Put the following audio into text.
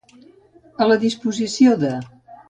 A la disposició de.